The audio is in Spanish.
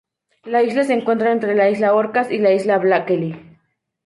La isla se encuentra entre la Isla Orcas y la Isla Blakely.